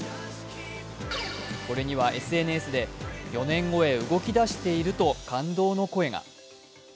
これにはＳＮＳで４年後へ動き出していると感動の声が。